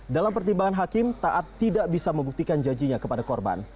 dalam pertimbangan hakim taat tidak bisa membuktikan janjinya kepada korban